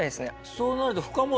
そうなると深本